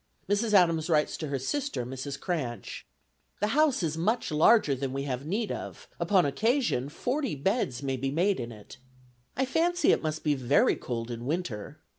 Mrs. Adams writes to her sister, Mrs. Cranch: "The house is much larger than we have need of: upon occasion, forty beds may be made in it. I fancy it must be very cold in winter.